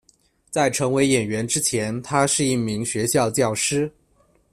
在成为演员之前，她是一名学校教师。